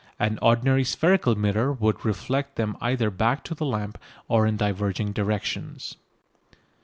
An ordinary spherical mirror would reflect them either back to the lamp or in diverging directions.